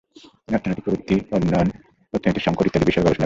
তিনি অর্থনৈতিক প্রবৃদ্ধি ও উন্নয়ন, অর্থনীতির সংকট ইত্যাদি বিষয়ে গবেষণা করেছেন।